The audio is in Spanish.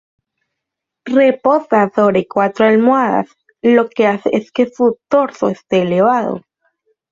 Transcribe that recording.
Reposa sobre cuatro almohadas, lo que hace que su torso este elevado.